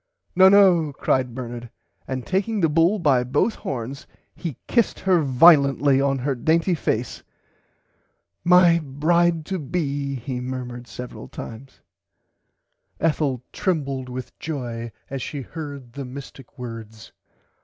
No no cried Bernard and taking the bull by both horns he kissed her violently on her dainty face. My bride to be he murmered several times. [Pg 93] Ethel trembled with joy as she heard the mistick words.